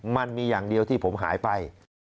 มันมีอย่างเดียวที่ผมหายไป